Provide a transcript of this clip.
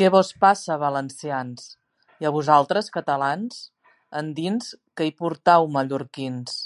Què vos passa, valencians? I a vosaltres, catalans? Endins, què hi portau, mallorquins?